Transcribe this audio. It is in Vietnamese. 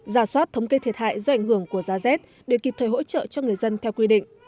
giả soát thống kê thiệt hại do ảnh hưởng của giá rét để kịp thời hỗ trợ cho người dân theo quy định